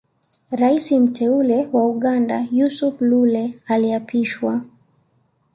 Rais mteule wa Uganda Yusuf Lule aliapishwa